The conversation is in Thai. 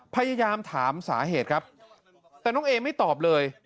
พยายามถามสาเหตุครับแต่น้องเอไม่ตอบเลย